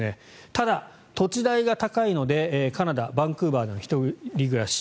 ただ、土地代が高いのでカナダ・バンクーバーで１人暮らし。